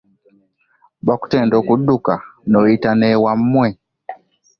Bakugenda okudduka onooyita n'ewammwe.